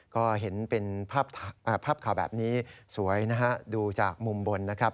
ก็เห็นเป็นภาพข่าวแบบนี้สวยนะฮะดูจากมุมบนนะครับ